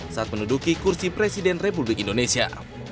saat menuduki kursi presiden republik indonesia